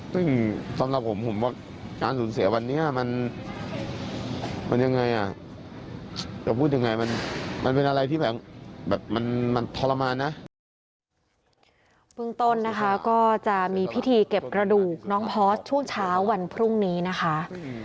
ซึ่งต้นนะคะก็จะมีพิธีเก็บกระดูกน้องพอสช่วงเช้าวันพรุ่งนี้นะคะ